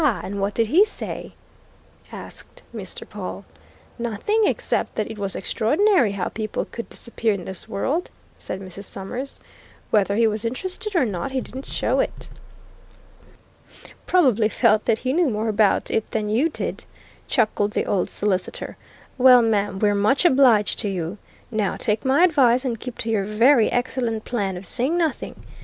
And what did he say?" asked Mr. Pawle. "Nothing except that it was extraordinary how people could disappear in this world," said Mrs. Summers. "Whether he was interested or not, he didn't show it." "Probably felt that he knew more about it than you did," chuckled the old solicitor. "Well, ma'am, we're much obliged to you. Now take my advice and keep to your very excellent plan of saying nothing.